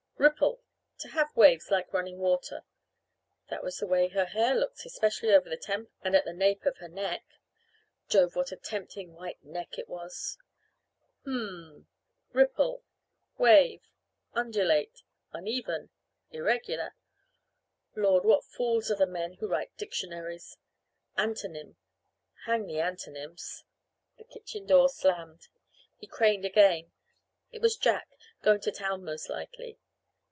"'Ripple to have waves like running water.'" (That was just the way her hair looked, especially over the temples and at the nape of her neck Jove, what a tempting white neck it was!) "Um m. 'Ripple; wave; undulate; uneven; irregular.'" (Lord, what fools are the men who write dictionaries!) "'Antonym hang the antonyms!" The kitchen door slammed. He craned again. It was Jack going to town most likely.